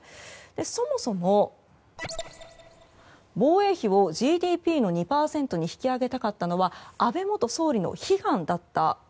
そもそも防衛費をＧＤＰの２％に引き上げたかったのは安倍元総理の悲願でした。